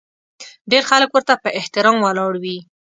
ډېر خلک ورته په احترام ولاړ وي.